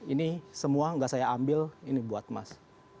ini semua nggak saya ambil ini buat mas